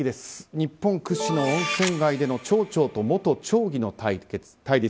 日本屈指の温泉街での町長と元町議の対立。